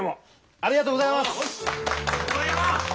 ありがとうございます！